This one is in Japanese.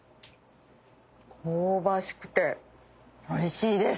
香ばしくておいしいです。